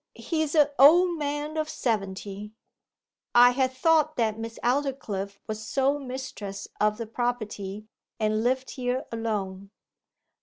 He's a' old man of seventy.' 'I had thought that Miss Aldclyffe was sole mistress of the property, and lived here alone.